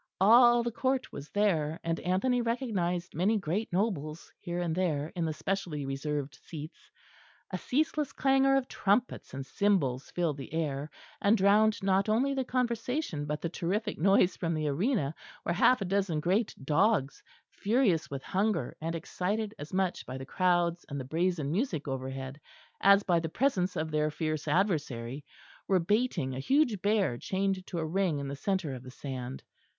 All the Court was there; and Anthony recognised many great nobles here and there in the specially reserved seats. A ceaseless clangour of trumpets and cymbals filled the air, and drowned not only the conversation but the terrific noise from the arena where half a dozen great dogs, furious with hunger and excited as much by the crowds and the brazen music overhead as by the presence of their fierce adversary, were baiting a huge bear chained to a ring in the centre of the sand.